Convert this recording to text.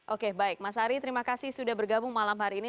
oke baik mas ari terima kasih sudah bergabung malam hari ini